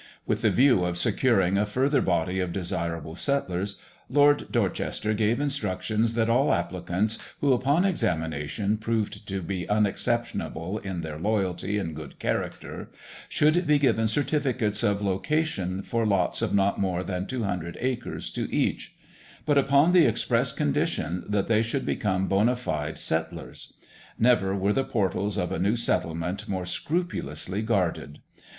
With the view of securing a further body of desirable settlers, Lord Dorchester gave instructions that all applicants, who upon examination proved to be unexceptionable in their loyalty and good character, should be given certificates of location for lots of not more than two hundred acres to each: but upon the express condition that they should become bona fide settlers. Never were the portals of a new settlement more scrupulously guarded.